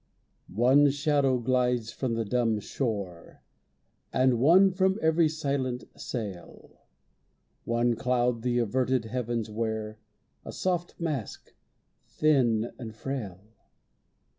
One shadow glides from the dumb shore, And one from every silent sail. One cloud the averted heavens wear, A soft mask, thin and frail.